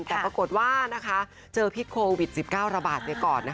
แต่ปรากฏว่าเจอพิษโควิด๑๙ระบาดไปก่อน